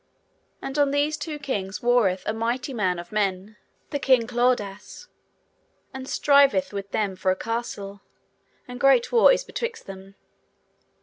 And on these two kings warreth a mighty man of men, the King Claudas, and striveth with them for a castle, and great war is betwixt them.